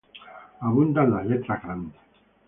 Abundan las letras grandes.